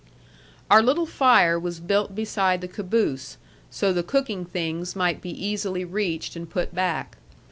Our little fire was built beside the caboose, so the cooking things might be easily reached and put back.